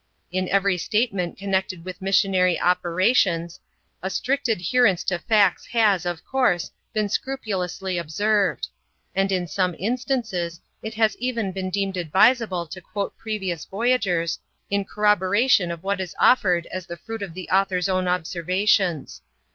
In every statement connected with missionary operations, a strict adherence to facts has, of course, been scrupulously observed; and in some instances, it has even been deemed advisable to quote previous voyagers, in corroboration of what is offered as the fruit of the author's own observations.